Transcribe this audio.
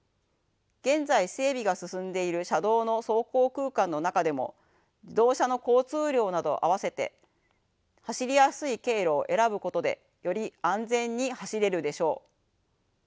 現在整備が進んでいる車道の走行空間の中でも自動車の交通量などを併せて走りやすい経路を選ぶことでより安全に走れるでしょう。